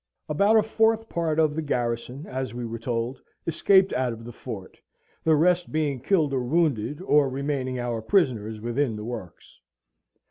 About a fourth part of the garrison, as we were told, escaped out of the fort, the rest being killed or wounded, or remaining our prisoners within the works.